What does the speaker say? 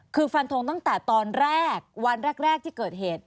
คือฟันทงตั้งแต่ตอนแรกวันแรกที่เกิดเหตุ